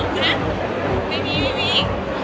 แบบนี้แบบนี้